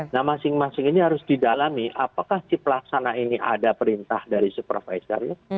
nah masing masing ini harus didalami apakah si pelaksana ini ada perintah dari supervisornya